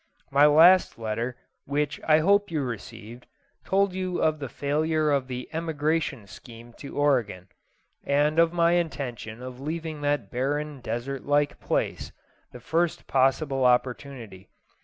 My last letter, which I hope you received, told you of the failure of the emigration scheme to Oregon, and of my intention of leaving that barren desert like place, the first possible opportunity.